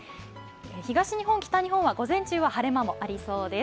東日本、北日本は午前中は晴れ間もありそうです。